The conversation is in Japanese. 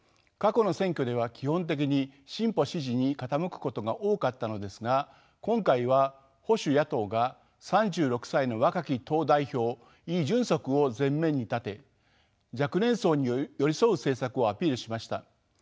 過去の選挙では基本的に進歩支持に傾くことが多かったのですが今回は保守野党が３６歳の若き党代表イ・ジュンソクを前面に立て若年層に寄り添う政策をアピールしました。